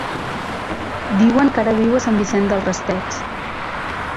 Diuen que ara viu a Sant Vicent del Raspeig.